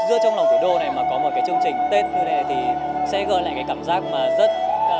giữa trong lòng thủ đô này mà có một cái chương trình tết như thế này thì sẽ gợn lại cái cảm giác mà rất